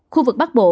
khu vực bắc bộ